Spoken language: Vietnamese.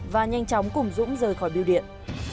và nhanh chóng cùng dũng rời khỏi biểu điện